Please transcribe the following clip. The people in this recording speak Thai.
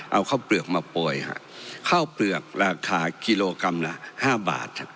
เอาข้าวเปลือกมาโปรยข้าวเปลือกราคากิโลกรัมละห้าบาท